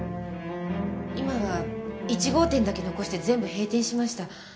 今は１号店だけ残して全部閉店しました。